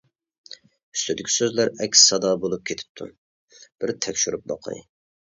ئۈستىدىكى سۆزلەر ئەكس سادا بولۇپ كېتىپتۇ، بىر تەكشۈرۈپ باقاي.